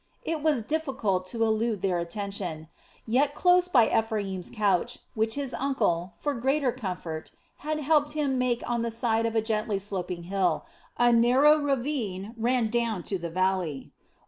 It was difficult to elude their attention; yet close by Ephraim's couch, which his uncle, for greater comfort, had helped him make on the side of a gently sloping hill, a narrow ravine ran down to the valley.